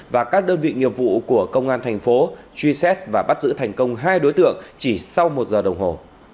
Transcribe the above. và các đơn vị nghiệp vụ của công an thành phố truy xét và bắt giữ thành công hai đối tượng chỉ sau một giờ đồng hồ